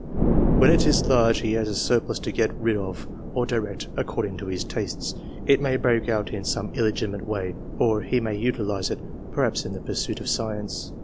When it is large, he has a surplus to get rid of, or direct, according to his tastes. It may break out in some illegitimate way, or he may utilise it, perhaps in the pursuit of science.